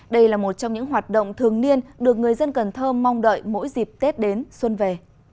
đây là một trong những hoạt động thường niên được người dân cần thơ mong đợi mỗi dịp tết đến xuân về